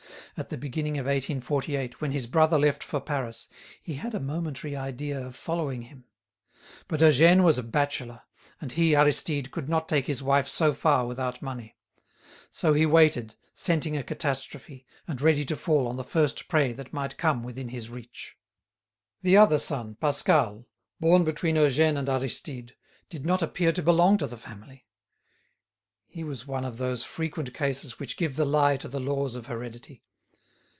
At the beginning of 1848, when his brother left for Paris, he had a momentary idea of following him. But Eugène was a bachelor; and he, Aristide, could not take his wife so far without money. So he waited, scenting a catastrophe, and ready to fall on the first prey that might come within his reach. The other son, Pascal, born between Eugène and Aristide, did not appear to belong to the family. He was one of those frequent cases which give the lie to the laws of heredity.